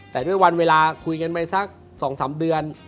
แต่ด้วยวันเวลาคุยกันไปสัก๒๓เดือน